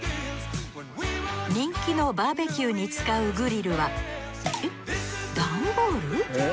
人気のバーベキューに使うグリルはえっダンボール？